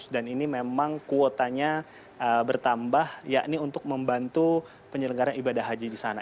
dan ini memang kuotanya bertambah ya ini untuk membantu penyelenggaran ibadah haji di sana